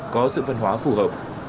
có sự phân hóa phù hợp